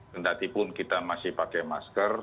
tentatipun kita masih pakai masker